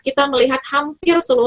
kita melihat hampir seluruh